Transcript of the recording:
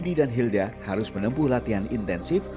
dan diantara mereka didi dan hilda harus menempuh latihan intensif